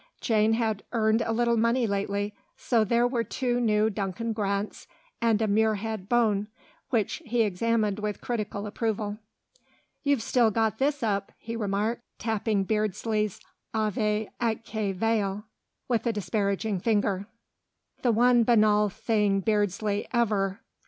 Jane had earned a little money lately, so there were two new Duncan Grants and a Muirhead Bone, which he examined with critical approval. "You've still got this up," he remarked, tapping Beardsley's "Ave Atque Vale" with a disparaging finger. "The one banal thing Beardsley ever....